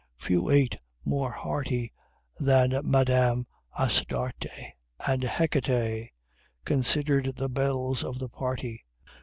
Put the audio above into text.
Few ate more hearty Than Madame Astarte, And Hecate, considered the Belles of the party.